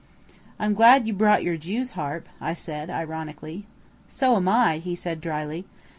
"I'm glad you brought your Jew's harp," I said ironically. "So am I," he said drily.